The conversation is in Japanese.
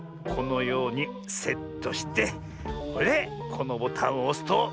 このようにセットしてこのボタンをおすと。